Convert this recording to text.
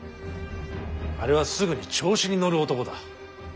あれはすぐに調子に乗る男だ。